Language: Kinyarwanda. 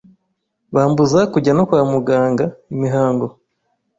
bambuza kujya no kwa muganga, imihango